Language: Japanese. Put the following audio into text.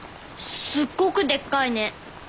すっごくでっかいね。